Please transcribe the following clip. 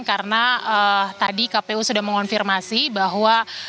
karena tadi kpu sudah mengonfirmasi bahwa